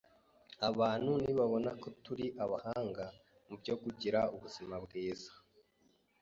Abantu nibabona ko turi abahanga mu byo kugira ubuzima bwiza,